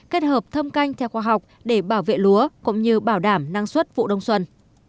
kết hợp thâm canh theo khoa học để bảo vệ lúa cũng như bảo đảm năng suất vụ đông xuân